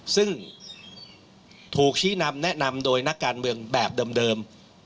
ซึ่งถูกชี้นำแนะนำโดยนักการเมืองแบบเดิม